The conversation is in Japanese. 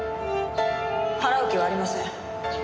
払う気はありません。